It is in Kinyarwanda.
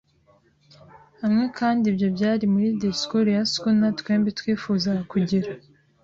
hamwe, kandi ibyo byari muri disikuru ya schooner. Twembi twifuzaga kugira